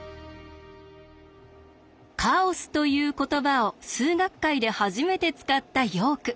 「カオス」という言葉を数学界で初めて使ったヨーク。